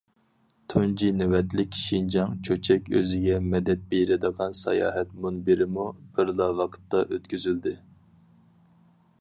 تۇنجى نۆۋەتلىك شىنجاڭ چۆچەك ئۆزىگە مەدەت بېرىدىغان ساياھەت مۇنبىرىمۇ بىرلا ۋاقىتتا ئۆتكۈزۈلدى.